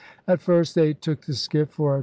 At first they took the skiff for a ut sup.